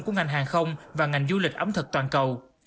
của ngành hàng không và ngành du lịch ẩm thực toàn cầu